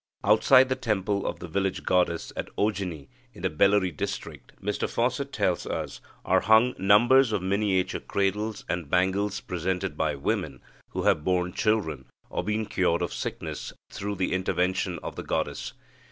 Outside the temple of the village goddess at Ojini in the Bellary district, Mr Fawcett tells us, "are hung numbers of miniature cradles and bangles presented by women who have borne children, or been cured of sickness through the intervention of the goddess.